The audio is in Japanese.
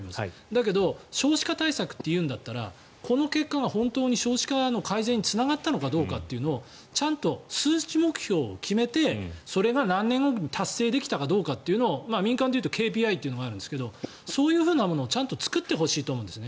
だけど少子化対策というんだったらこの結果が本当に少子化の改善につながったのかどうかをちゃんと数値目標を決めてそれが何年後に達成できたかというのを民間でいうとＫＰＩというのがあるんですけどそういうものをちゃんと作ってほしいと思うんです。